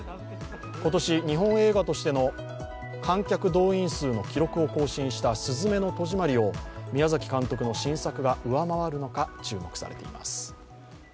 今年日本映画としての観客動員数の記録を更新した「すずめの戸締まり」を宮崎監督の新作が上回るのか注目されています